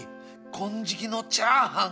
金色のチャーハン